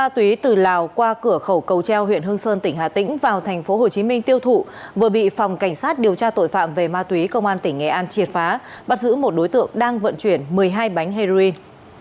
má túy từ lào qua cửa khẩu cầu treo huyện hương sơn tỉnh hà tĩnh vào thành phố hồ chí minh tiêu thụ vừa bị phòng cảnh sát điều tra tội phạm về ma túy công an tỉnh nghệ an triệt phá bắt giữ một đối tượng đang vận chuyển một mươi hai bánh heroin